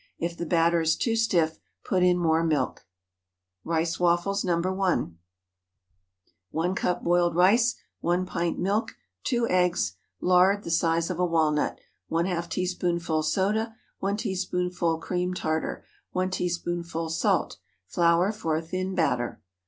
If the batter is too stiff, put in more milk. RICE WAFFLES (No. 1.) ✠ 1 cup boiled rice. 1 pint milk. 2 eggs. Lard, the size of a walnut. ½ teaspoonful soda. 1 teaspoonful cream tartar. 1 teaspoonful salt. Flour for a thin batter.